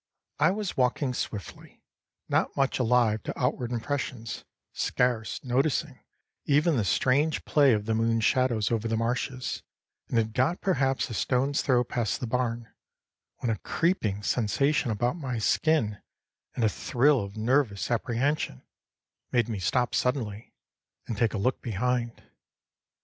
I was walking swiftly, not much alive to outward impressions, scarce noticing even the strange play of the moon shadows over the marshes, and had got perhaps a stone's throw past the barn, when a creeping sensation about my skin, and a thrill of nervous apprehension made me stop suddenly and take a look behind.